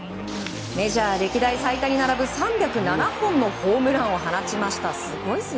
メジャー歴代最多に並ぶ３０７本のホームランを放ちました。